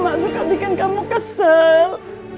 mak suka bikin kamu kesel